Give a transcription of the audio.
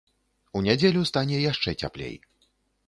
У нядзелю стане яшчэ цяплей.